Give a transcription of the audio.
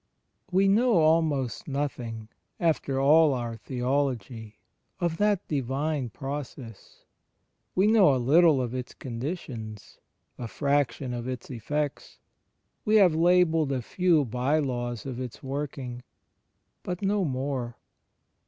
... We know almost nothing, after all our theology, of that Divine process; we know a little of its conditions, a fraction of its effects; we have labelled a few by laws of its working; but no more.